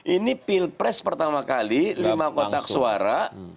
ini pilpres pertama kali lima kotak suara